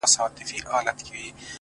شاعره ياره ستا قربان سمه زه!